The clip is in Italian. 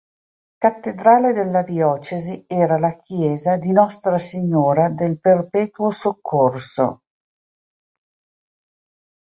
Cattedrale della diocesi era la chiesa di Nostra Signora del Perpetuo Soccorso.